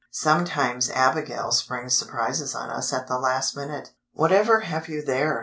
Sometimes Abigail springs surprises on us at the last minute. "Whatever have you there?"